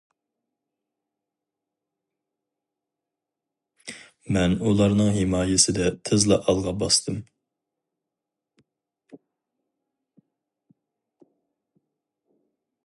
مەن ئۇلارنىڭ ھىمايىسىدە تىزلا ئالغا باستىم.